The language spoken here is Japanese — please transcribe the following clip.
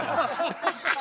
ハハハハ！